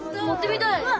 持ってみたい。